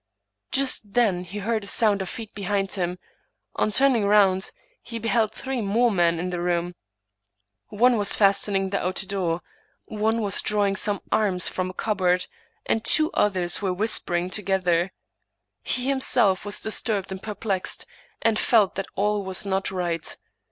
Just then he heard a sound of feet be hind him. On turning round, he beheld three more men in the room ; one was fastening the outer door ; one was draw ing some arms from a cupboard, and two others were whis 128 Thomas De Quincey pering together. He himself was disturbed and perplexed, and felt that all was not right.